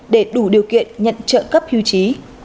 để đủ điều kiện nhận trợ cấp hưu trí